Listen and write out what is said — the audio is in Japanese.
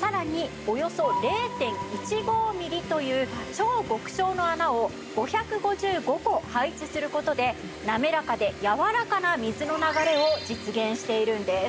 さらにおよそ０．１５ミリという超極小の穴を５５５個配置する事でなめらかでやわらかな水の流れを実現しているんです。